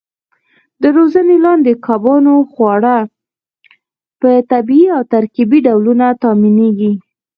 د روزنې لاندې کبانو خواړه په طبیعي او ترکیبي ډولونو تامینېږي.